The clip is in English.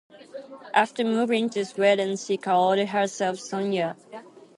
After moving to Sweden, she called herself Sonya.